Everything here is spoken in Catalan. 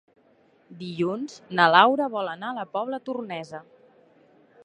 Dilluns na Laura vol anar a la Pobla Tornesa.